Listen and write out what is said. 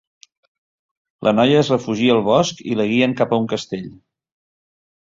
La noia es refugia al bosc i la guien cap a un castell.